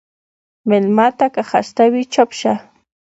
مېلمه ته که خسته وي، چپ شه.